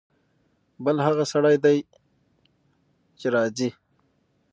بل هغه سړی دی چې راځي.